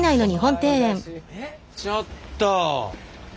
ちょっと！